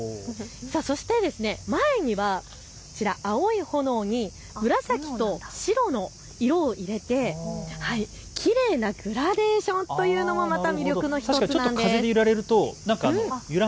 そして前にはこちら、青い炎に紫と白の色を入れてきれいなグラデーションというのがまた魅力の１つなんです。